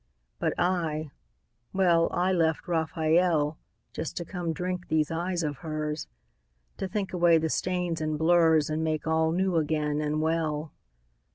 But I, well, I left Raphael Just to come drink these eyes of hers, To think away the stains and blurs And make all new again and well.